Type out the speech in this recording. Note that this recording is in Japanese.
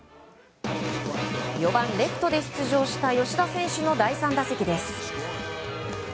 ４番レフトで出場した吉田選手の第３打席です。